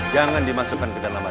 jangan dimasukkan ke dalam mata